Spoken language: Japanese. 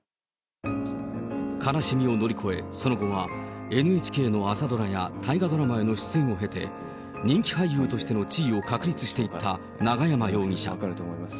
悲しみを乗り越え、その後はＮＨＫの朝ドラや大河ドラマへの出演を経て、人気俳優としての地位を確立していった永山容疑者。